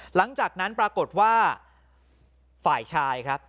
หลังจากนั้นปรากฏว่าฝ่ายชายครับ